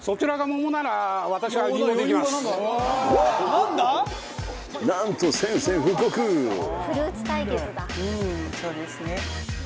うんそうですね。